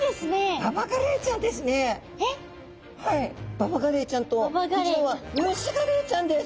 ババガレイちゃんとこちらはムシガレイちゃんです。